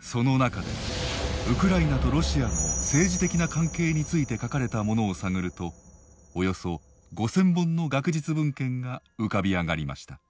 その中でウクライナとロシアの政治的な関係について書かれたものを探るとおよそ５，０００本の学術文献が浮かび上がりました。